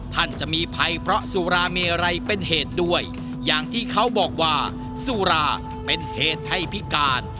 ท่านจะมีภัยเพราะสุราเมไรเป็นเหตุด้วยอย่างที่เขาบอกว่าสุราเป็นเหตุให้พิการ